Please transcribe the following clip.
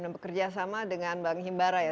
dan bekerja sama dengan bank himbara ya